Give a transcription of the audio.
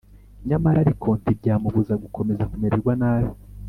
nyamara ariko ntibyamubuza gukomeza kumererwa nabi,